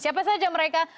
siapa saja mereka